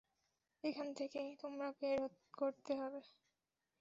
এখান থেকে তোমায় বের করতে হবে!